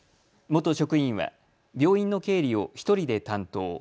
元職員は病院の経理を１人で担当。